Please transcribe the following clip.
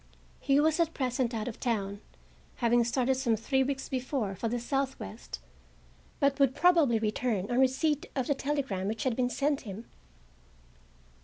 He was at present out or town, having started some three weeks before for the southwest, but would probably return on receipt of the telegram which had been sent him.